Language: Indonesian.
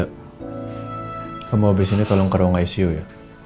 kamu habis ini tolong ke ruang icu ya